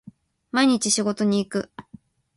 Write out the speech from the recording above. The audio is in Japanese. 毎日仕事に行く